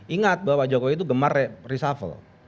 ingat bahwa jokowi itu gemar reshuffle